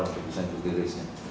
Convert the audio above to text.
untuk bisa mencuri racenya